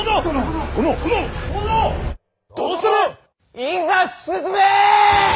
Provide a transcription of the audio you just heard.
いざ進め！